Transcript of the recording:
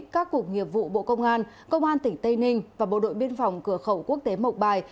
các cục nghiệp vụ bộ công an công an tỉnh tây ninh và bộ đội biên phòng cửa khẩu quốc tế mộc bài